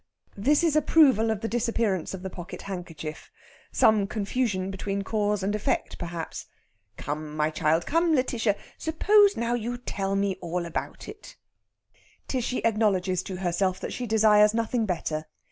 This is approval of the disappearance of the pocket handkerchief some confusion between cause and effect, perhaps. "Come, my child come, Lætitia suppose now you tell me all about it." Tishy acknowledges to herself that she desires nothing better.